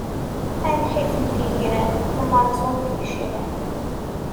A lḥif n tegrar, ameṛṛẓu n tgecrar!